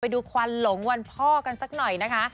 ดูควันหลงวันพ่อกันสักหน่อยนะคะ